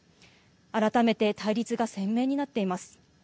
改めて対立が鮮明になっています。